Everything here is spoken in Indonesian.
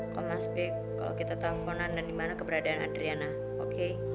kalo mas be kalo kita telfonan dan dimana keberadaan adriana oke